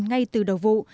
ngay từ đầu vụ